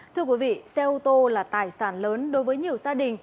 thưa quý vị xe ô tô là tài sản lớn đối với nhiều gia đình